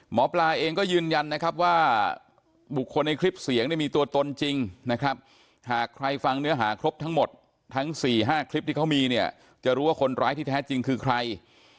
หมอปลาเองก็ยืนยันนะครับว่าบุคคลในคลิปเสียงเนี่ยมีตัวตนจริงนะครับหากใครฟังเนื้อหาครบทั้งหมดทั้ง๔๕คลิปที่เขามีเนี่ยจะรู้ว่าคนร้ายที่แท้จริงคือใคร